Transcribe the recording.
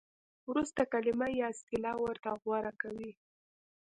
ورسته کلمه یا اصطلاح ورته غوره کوي.